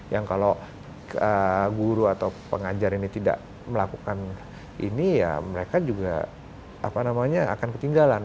yang kalau guru atau pengajar ini tidak melakukan ini ya mereka juga akan ketinggalan